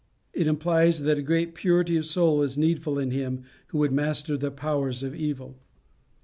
It implies that a great purity of soul is needful in him who would master the powers of evil.